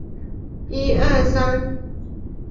上海美术馆是国内最早设立教育部的美术场馆。